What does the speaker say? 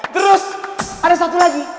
terus ada satu lagi